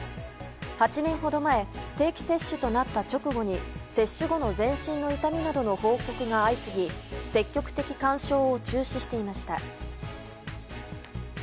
８年ほど前定期接種となった直後に接種後の全身の痛みなどの報告が相次ぎ積極的勧奨を中止していました。